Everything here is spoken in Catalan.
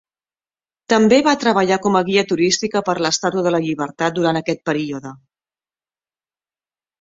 També va treballar com a guia turística per l'Estàtua de la Llibertat durant aquest període.